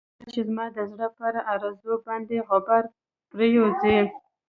کله چې زما د زړه پر ارزو باندې غبار پرېوځي.